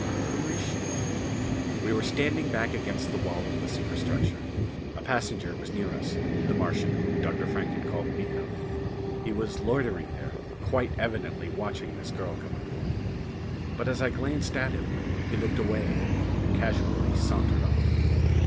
"Who is she?" We were standing back against the wall of the superstructure. A passenger was near us the Martian whom Dr. Frank had called Miko. He was loitering here, quite evidently watching this girl come aboard. But as I glanced at him, he looked away and casually sauntered off.